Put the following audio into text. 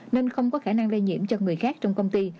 nên không có khả năng lây nhiễm cho người khác trong công ty